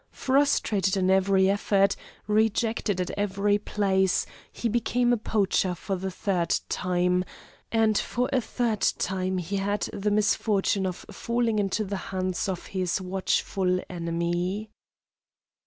Frustrated in every effort, rejected at every place, he became a poacher for the third time, and for a third time had the misfortune of falling into the hands of his watchful enemy.